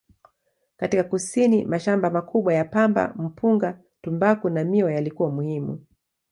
Katika kusini, mashamba makubwa ya pamba, mpunga, tumbaku na miwa yalikuwa muhimu.